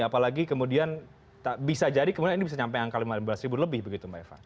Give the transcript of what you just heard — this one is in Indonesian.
apalagi kemudian bisa jadi kemudian ini bisa sampai angka lima belas ribu lebih begitu mbak eva